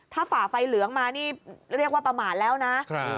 ถ้าฝ่าไฟเหลืองมานี่เรียกว่าประมาทแล้วนะ